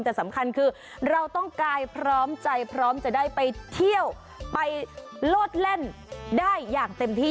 แต่สำคัญคือเราต้องกายพร้อมใจพร้อมจะได้ไปเที่ยวไปโลดเล่นได้อย่างเต็มที่